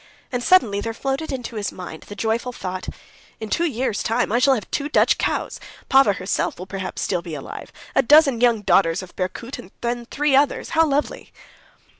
And suddenly there floated into his mind the joyful thought: "In two years' time I shall have two Dutch cows; Pava herself will perhaps still be alive, a dozen young daughters of Berkoot and the three others—how lovely!"